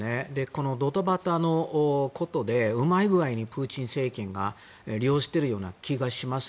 このドタバタのことをうまい具合にプーチン政権が利用しているような気がします。